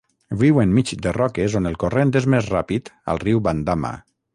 Viu enmig de roques on el corrent és més ràpid al riu Bandama.